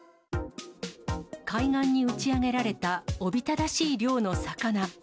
海岸に打ち上げられたおびただしい量の魚。